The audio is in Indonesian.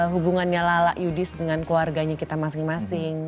hubungannya lala yudis dengan keluarganya kita masing masing